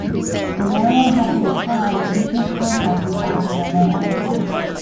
Guerrero had to decline due to his contract with Alfa Romeo.